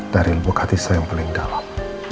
dari lubuk hati saya yang paling dalam